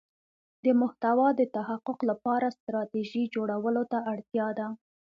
د محتوا د تحقق لپاره ستراتیژی جوړولو ته اړتیا ده.